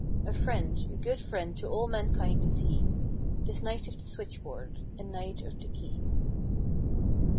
A friend —a good friend to all mankind is he— This knight of the switch board, and knight of the key.